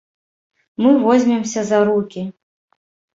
Мы возьмемся за рукі!